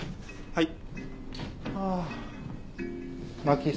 はい。